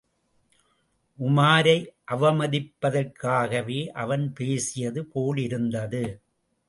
உமாரை அவமதிப்பதற்காகவே அவன் பேசியது போலிருந்தது.